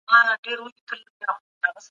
خپلواکي او ملکیت سره نږدې اړیکې لري.